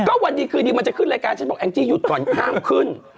ก็วันดีคืนดีมันจะขึ้นรายการฉันบอกแองจี้หยุดก่อนห้ามขึ้น